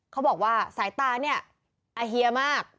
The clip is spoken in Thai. เขาบอกว่าสายตาเนี่ยอาเฮียมาก